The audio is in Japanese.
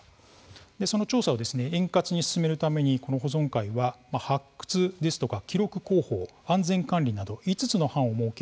調査を円滑に進めるために保存会は発掘ですとか記録、広報、安全管理など５つの班を設け